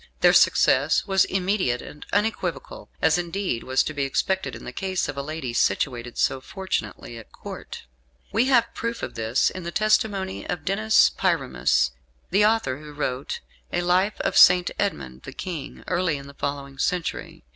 Their success was immediate and unequivocal, as indeed was to be expected in the case of a lady situated so fortunately at Court. We have proof of this in the testimony of Denis Pyramus, the author who wrote a Life of St. Edmund the King, early in the following century.